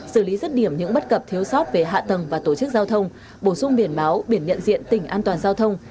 xử lý rứt điểm những bất cập thiếu sót về hạ tầng và tổ chức giao thông bổ sung biển báo biển nhận diện tỉnh an toàn giao thông